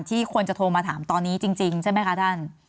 คนจะโทรมาถามตอนนี้จริงใช่ไหมคะท่าน